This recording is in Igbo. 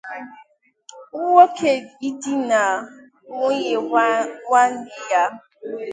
nwoke idinà nwunye nwanne ya